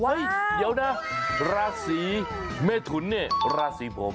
เฮ้ยเดี๋ยวนะลาศรีเมทุนนี่ลาศรีผม